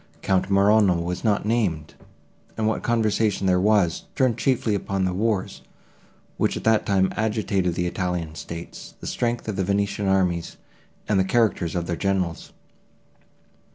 Count Morano was not named, and what conversation there was, turned chiefly upon the wars which at that time agitated the Italian states, the strength of the Venetian armies, and the characters of their generals.